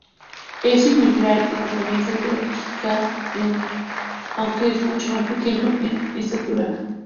Es similar en apariencia al Akita Inu, aunque es mucho más pequeño en estatura.